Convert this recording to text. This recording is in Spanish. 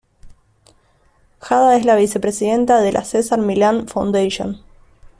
Jada es la vicepresidenta de la Cesar Millan Foundation.